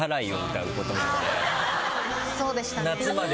そうでしたね。